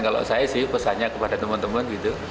kalau saya sih pesannya kepada teman teman gitu